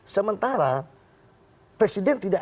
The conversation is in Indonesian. sementara presiden tidak